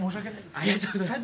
ありがとうございます。